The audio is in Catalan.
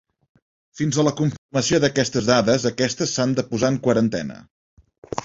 Fins a la confirmació d'aquestes dades, aquestes s'han de posar en quarantena.